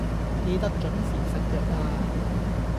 記得準時食藥呀